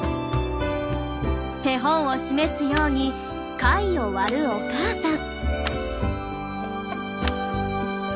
手本を示すように貝を割るお母さん。